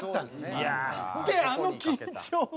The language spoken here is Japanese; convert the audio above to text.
であの緊張感。